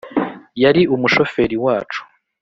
yari umu shoferi wacu